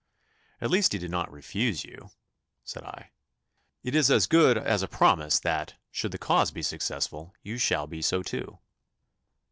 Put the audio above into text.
'At least he did not refuse you,' said I. 'It is as good as a promise that; should the cause be successful, you shall be so too.